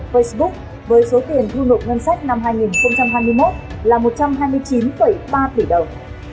facebook với số tiền thu nộp ngân sách năm hai nghìn hai mươi một là một trăm hai mươi chín ba tỷ đồng